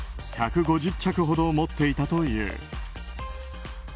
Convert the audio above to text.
１５０着ほど持っていたという。